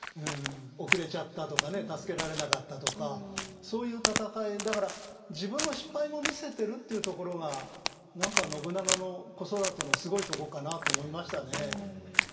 遅れちゃったとか助けられなかったとかそういう戦いだから自分の失敗も見せてるっていうところが何か信長の子育てのすごいとこかなと思いましたね。